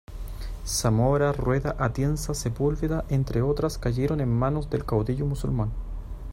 Zamora, Rueda, Atienza, Sepúlveda entre otras cayeron en manos del caudillo musulmán.